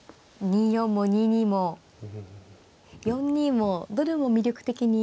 ２四も２二も４二もどれも魅力的に。